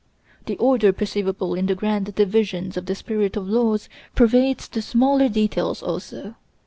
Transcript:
The order perceivable in the grand divisions of the 'Spirit of Laws' pervades the smaller details also.